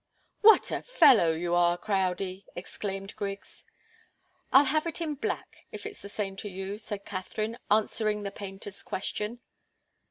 "What a fellow you are, Crowdie!" exclaimed Griggs. "I'll have it black, if it's the same to you," said Katharine, answering the painter's question.